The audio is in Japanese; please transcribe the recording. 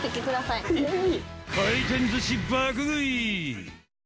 回転寿司爆食い。